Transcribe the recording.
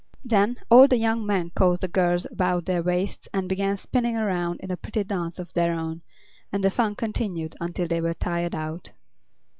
Then all the young men caught the girls about their waists and began spinning around in a pretty dance of their own, and the fun continued until they were tired out.